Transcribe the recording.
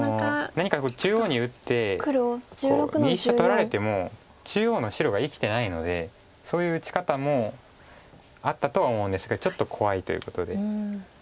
何か中央に打って右下取られても中央の白が生きてないのでそういう打ち方もあったとは思うんですけどちょっと怖いということで。